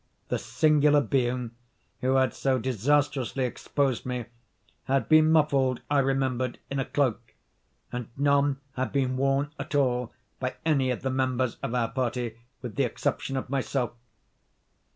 The singular being who had so disastrously exposed me, had been muffled, I remembered, in a cloak; and none had been worn at all by any of the members of our party with the exception of myself.